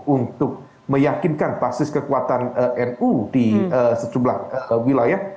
untuk meyakinkan basis kekuatan nu di sejumlah wilayah